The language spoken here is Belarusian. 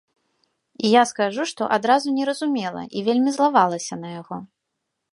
І я скажу, што адразу не разумела і вельмі злавалася на яго.